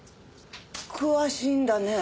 詳しいんだね。